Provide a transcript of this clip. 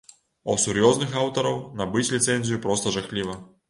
А ў сур'ёзных аўтараў набыць ліцэнзію проста жахліва.